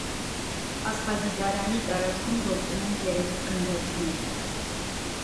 Աստղադիտարանի տարածքում գործում են երեք գմբեթներ։